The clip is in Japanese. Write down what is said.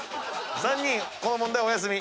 ３人この問題お休み。